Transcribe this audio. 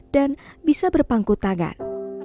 dan bisa berpangku tangan